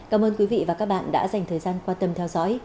cảm ơn quý vị và các bạn đã dành thời gian quan tâm theo dõi